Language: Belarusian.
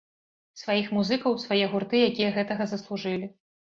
Сваіх музыкаў, свае гурты, якія гэтага заслужылі!